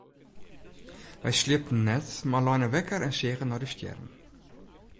Wy sliepten net mar leine wekker en seagen nei de stjerren.